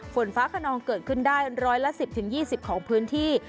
ฝนฟ้าขนองเกิดขึ้นได้ร้อยละ๑๐๒๐ของพื้นที่